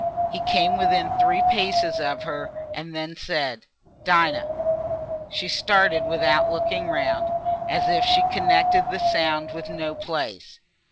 He came within three paces of her and then said, "Dinah!" She started without looking round, as if she connected the sound with no place.